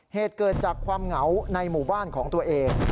เหตุเกิดจากความเหงาในหมู่บ้านของตัวเอง